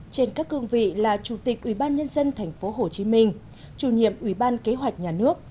trên các cương vị là chủ tịch ubnd tp hcm chủ nhiệm ubnd kế hoạch nhà nước